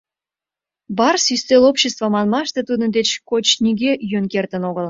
«Барс» ӱстел обществе манмаште тудын деч коч нигӧ йӱын кертын огыл.